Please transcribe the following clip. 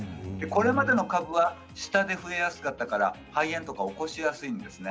これまでの株は下で増えやすかったから肺炎とかを起こしやすいんですね。